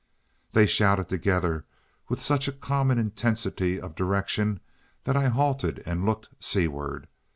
They shouted together with such a common intensity of direction that I halted and looked seaward.